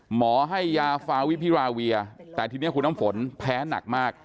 หมอให้ยาฟาวิพิราเวียแต่ทีนี้คุณน้ำฝนแพ้หนักมาก